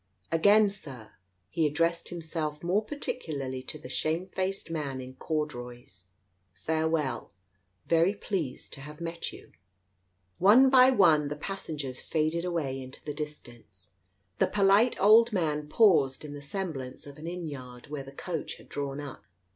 Again, Sir " He addressed himself more particularly to the shamefaced man in corduroys — "Farewell. Very pleased to have met you !" One by one, the passengers faded away into the dis tance. The polite old man paused in the semblance of an inn yard where the coach had drawn up.